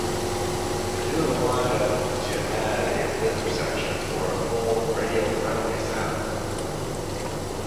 The duo wanted to add a rhythm section for a full, "radio friendly" sound.